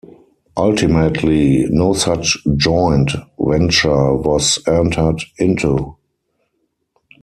Ultimately no such joint venture was entered into.